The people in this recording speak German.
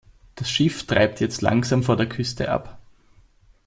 Das Schiff treibt jetzt langsam von der Küste ab.